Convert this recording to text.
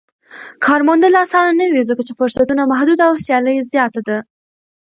کار موندل اسانه نه وي ځکه چې فرصتونه محدود او سیالي زياته ده.